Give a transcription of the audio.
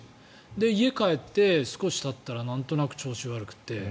家に帰ったらなんとなく調子が悪くて。